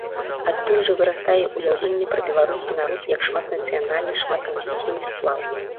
Адтуль жа вырастае ўяўленне пра беларускі народ як шматнацыянальны, шматканфесійны сплаў.